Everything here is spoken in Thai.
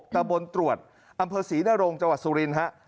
ตะบนตรวจอำเภอศรีนรงค์จวัดสุรินฮะ